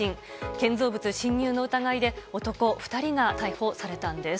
建造物侵入の疑いで、男２人が逮捕されたんです。